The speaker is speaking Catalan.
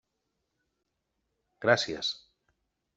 Gràcies.